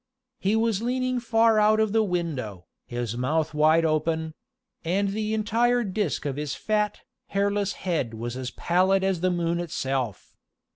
He was leaning far out of the window, his mouth wide open; and the entire disk of his fat, hairless head was as pallid as the moon itself.